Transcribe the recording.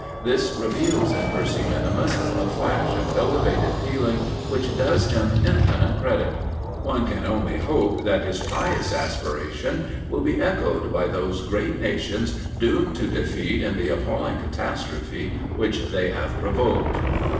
This reveals in Percy minimus a flash of elevated feeling which does him infinite credit. One can only hope that his pious aspiration will be echoed by those great nations doomed to defeat in the appalling catastrophe which they have provoked."